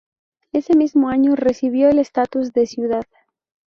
Ese mismo año recibió el estatus de ciudad.